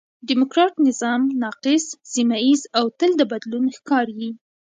ډيموکراټ نظام ناقص، سمیه ييز او تل د بدلون ښکار یي.